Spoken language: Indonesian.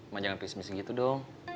mak jangan pismis segitu dong